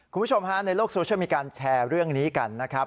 คุณผู้ชมฮะในโลกโซเชียลมีการแชร์เรื่องนี้กันนะครับ